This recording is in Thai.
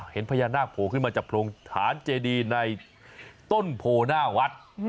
เห็นพญานาคโผล่ขึ้นมาจากโพรงฐานเจดีในต้นโพหน้าวัด